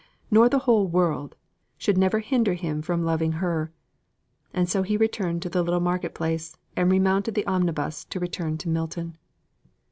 nor the whole world should never hinder him from loving her. And so he returned to the little market place, and remounted the omnibus to return to Milton.